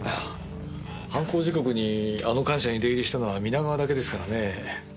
犯行時刻にあの官舎に出入りしたのは皆川だけですからね。